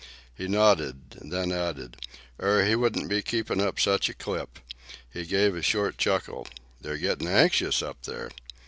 He nodded, then added, "Or he wouldn't be keepin' up such a clip." He gave a short chuckle. "They're gettin' anxious up there."